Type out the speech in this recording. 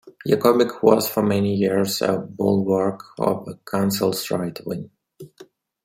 Jakobek was for many years a bulwark of the council's right-wing.